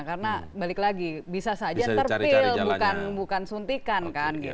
karena balik lagi bisa saja terpil bukan suntikan kan